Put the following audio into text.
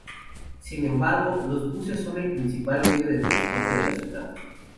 Sin embargo, los buses son el principal medio de transporte de la ciudad.